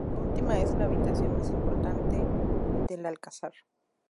La última es la habitación más importante del Alcázar.